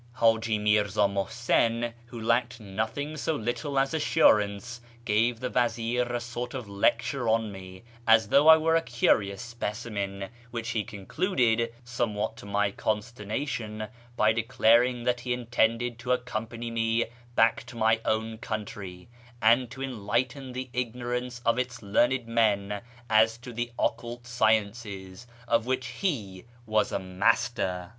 Haji Mirza Muhsin, who lacked nothing so little as assurance, gave the vazir a sort of lecture on me (as though I were a curious specimen), which he concluded, somewhat to my consternation, by declaring that he intended to accompany me back to my own country, and to enlighten the ignorance of its learned men as to the occult sciences, of which he was a master.